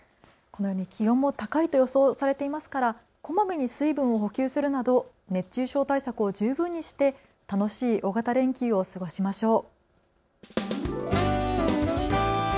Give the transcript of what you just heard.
気温も高いと予想されていますからこまめに水分を補給するなど熱中症対策を十分にして楽しい大型連休を過ごしましょう。